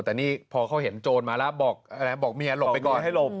แต่นี่พอเขาเห็นโจรมาแล้วบอกเมียหลบไปก่อนให้หลบ